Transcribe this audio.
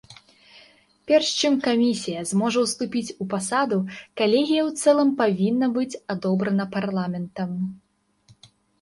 Перш чым камісія зможа ўступіць у пасаду, калегія ў цэлым павінна быць адобрана парламентам.